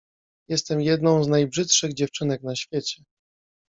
Jestem jedną z najbrzydszych dziewczynek na świecie.